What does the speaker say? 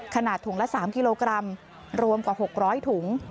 ถุงละ๓กิโลกรัมรวมกว่า๖๐๐ถุง